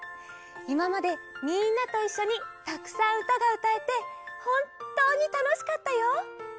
いままでみんなといっしょにたくさんうたがうたえてほんとうにたのしかったよ。